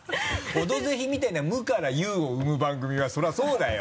「オドぜひ」みたいな無から有を生む番組はそれはそうだよ！